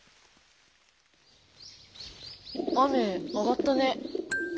雨あがったね。